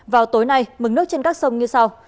vào tối nay mừng nước trên các sông như sau